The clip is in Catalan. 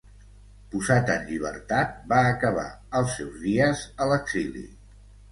Posat en llibertat, va acabar els seus dies a l'exili.